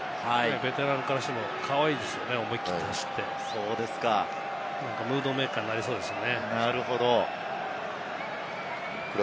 ベテランからしてもかわいいですよね、思い切って走ってムードメーカーになりそうですよね。